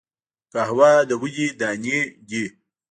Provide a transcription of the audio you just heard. قهوه د ونې دانی دي